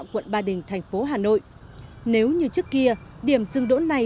quận ba đình thành phố hà nội nếu như trước kia điểm dừng đỗ này